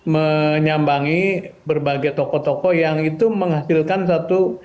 menyambangi berbagai tokoh tokoh yang itu menghasilkan satu